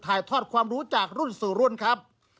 ถ่ายทอดความรู้จากรุ่นสู่รุ่นครับ